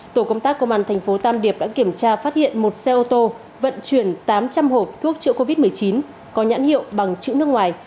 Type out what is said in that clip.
tổ công tác công an thành phố tam điệp đã kiểm tra phát hiện một xe ô tô vận chuyển tám trăm linh hộp thuốc chữa covid một mươi chín có nhãn hiệu bằng chữ nước ngoài